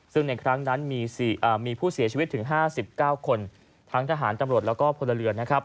ซึ่งในครั้งนั้นมีผู้เสียชีวิตถึง๕๙คนทั้งทหารตำรวจแล้วก็พลเรือนนะครับ